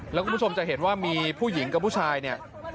แล้วคุณผู้ชมจะเห็นว่ามีผู้หญิงกับผู้ชายเนี่ย